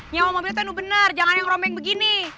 nyewa mobil itu bener jangan yang rombeng begini